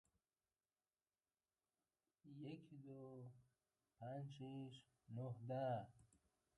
Partners are concerned about the potential for large-scale outbreaks.